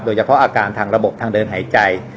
โดยเฉพาะอาการทางระบบทางเดินหายใจ